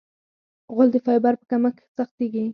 غول د فایبر په کمښت سختېږي.